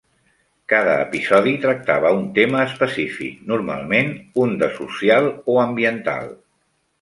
Cada episodi tractava un tema específic, normalment un de social o ambiental.